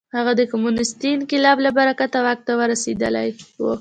هغه د کمونېستي انقلاب له برکته واک ته رسېدلی و.